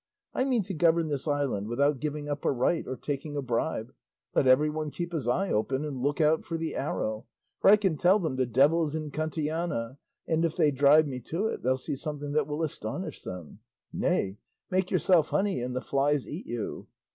I mean to govern this island without giving up a right or taking a bribe; let everyone keep his eye open, and look out for the arrow; for I can tell them 'the devil's in Cantillana,' and if they drive me to it they'll see something that will astonish them. Nay! make yourself honey and the flies eat you."